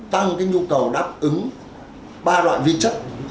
tăng kinh dục thầu đáp ứng ba loại vi chất